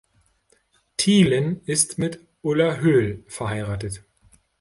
Thielen ist mit Ulla Höll verheiratet.